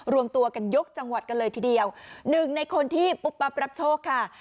รวมตัวกันยกจังหวัดกันเลยทีเดียวหนึ่งในคนที่ปุ๊บปั๊บรับโชคค่ะ